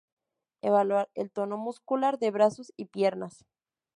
Evaluar el tono muscular de brazos y piernas.